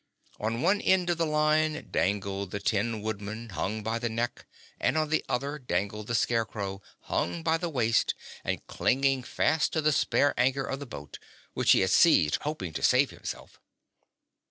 On one end of the line dangled the Tin Woodman, hung by the neck, and on the other dangled the Scarecrow, hung by the waist and clinging fast to the spare anchor of the boat, which he had seized hoping to save himself.